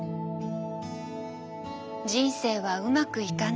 人生はうまくいかない。